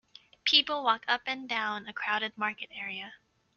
People walk up and down a crowded market area.